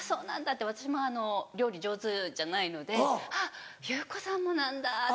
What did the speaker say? って私も料理上手じゃないのであぁゆう子さんもなんだって。